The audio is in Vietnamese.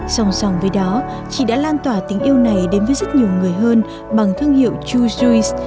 sòng sòng với đó chị đã lan tỏa tình yêu này đến với rất nhiều người hơn bằng thương hiệu jujuice